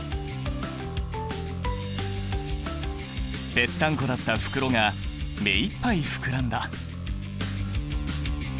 ペッタンコだった袋が目いっぱい膨らんだ！